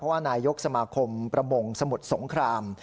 ว่านายกสมาคมประมงสมุทรสงคราม